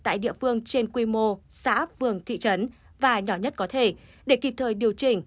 tại địa phương trên quy mô xã vườn thị trấn và nhỏ nhất có thể để kịp thời điều chỉnh